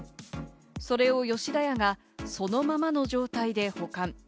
それを吉田屋がそのままの状態で保管。